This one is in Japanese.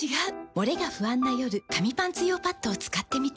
モレが不安な夜紙パンツ用パッドを使ってみた。